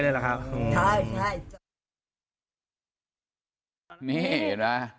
ตีกัญเชียงไปเลยหรือครับ